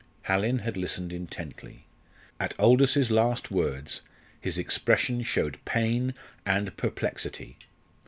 Hallin had listened intently. At Aldous's last words his expression showed pain and perplexity.